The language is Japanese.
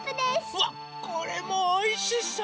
うわっこれもおいしそう！